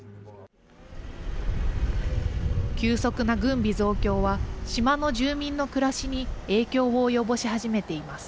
急速な軍備増強は島の住民の暮らしに影響を及ぼし始めています。